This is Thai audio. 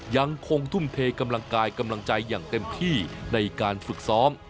ยังคงทุ่มเทกำลังกายกำลังใจอย่างเต็มที่ในการฝึกซ้อม